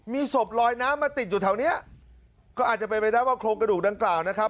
มีศพลอยน้ำมาติดอยู่แถวเนี้ยก็อาจจะเป็นไปได้ว่าโครงกระดูกดังกล่าวนะครับ